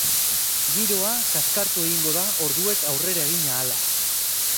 Giroa kaskartu egingo da orduek aurrera egin ahala.